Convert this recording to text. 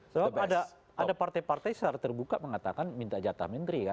sebab ada partai partai secara terbuka mengatakan minta jatah menteri kan